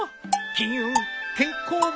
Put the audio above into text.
金運健康運